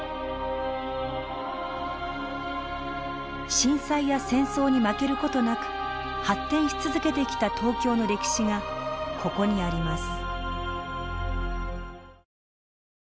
震災や戦争に負ける事なく発展し続けてきた東京の歴史がここにあります。